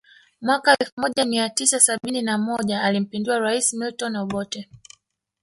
Mwaka elfu moja mia tisa sabini na moja alimpindua rais Milton Obote